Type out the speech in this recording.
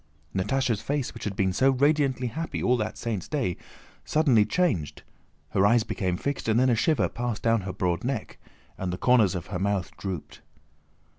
Natásha's face, which had been so radiantly happy all that saint's day, suddenly changed: her eyes became fixed, and then a shiver passed down her broad neck and the corners of her mouth drooped.